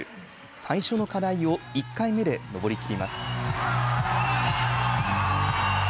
最初の課題を１回目で登りきります。